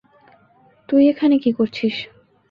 তুই এখানে কি করছিস?